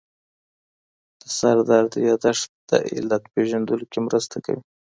د سردرد یادښت د علت پېژندلو کې مرسته کوي.